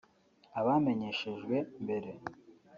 Abamenyeshejwe mbere